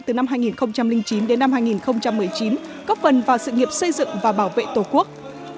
từ năm hai nghìn chín đến năm hai nghìn một mươi chín góp phần vào sự nghiệp xây dựng và bảo vệ tổ quốc